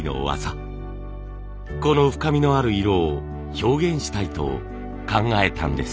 この深みのある色を表現したいと考えたんです。